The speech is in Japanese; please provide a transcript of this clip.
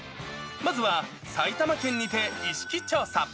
まずは埼玉県にて意識調査。